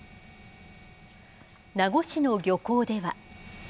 名護市の漁港では。